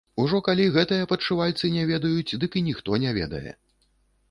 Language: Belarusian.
Ужо калі гэтыя падшывальцы не ведаюць, дык і ніхто не ведае.